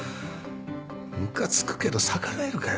ムカつくけど逆らえるかよ。